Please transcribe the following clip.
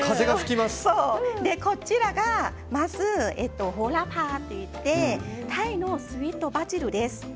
こちらがホーラパーといってタイのスイートバジルです。